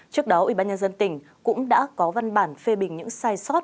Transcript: trước đó ubnd tỉnh cũng đã có văn bản phê bình những sai sót